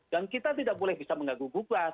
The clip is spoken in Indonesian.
dan kita tidak boleh bisa mengaguk aguk lah